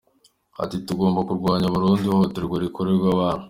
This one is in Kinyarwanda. Ati “ Tugomba kurwanya burundu ihohoterwa rikorerwa abana.